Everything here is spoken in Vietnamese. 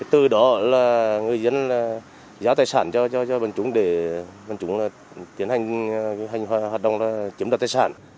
từ đó là người dân giá tài sản cho bản chúng để bản chúng tiến hành hoạt động kiếm đặt tài sản